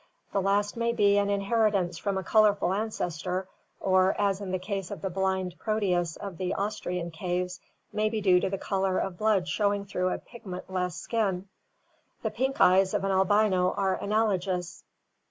The last may be an in heritance from a colorful ancestor, or, as in the case of the blind Proteus of the Austrian caves, may be due to the color of blood showing through a pigment less skin. The pink eyes of an albino are analogous.